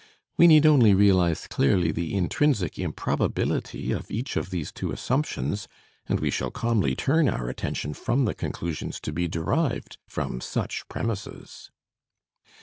we need only realize clearly the intrinsic improbability of each of these two assumptions, and we shall calmly turn our attention from the conclusions to be derived from such premises.